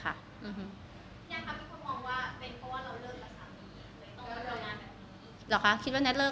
นี่ค่ะพี่คุณมองว่าเป็นเพราะว่าเราเลิกกับสามีต้องการงานแบบนี้